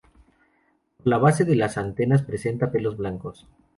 Por la base de las antenas presenta pelos blancos.